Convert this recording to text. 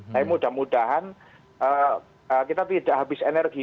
tapi mudah mudahan kita tidak habis energi